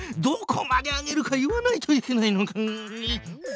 どこまで上げるか言わないといけないのか！